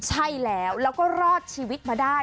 ใช่แล้วแล้วก็รอดชีวิตมาได้